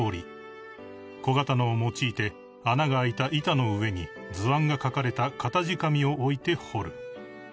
［小刀を用いて穴が開いた板の上に図案が描かれた型地紙を置いて彫る］